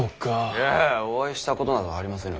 いやお会いしたことなどありませぬ。